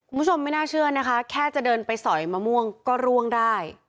คุณผู้ชมไม่น่าเชื่อนะคะแค่จะเดินไปสอยมะม่วงก็ร่วงได้